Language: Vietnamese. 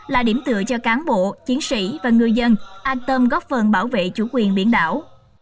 là điểm tựa cho cán bộ chiến sĩ và người dân an tâm góp phần bảo vệ chủ quyền biển đảo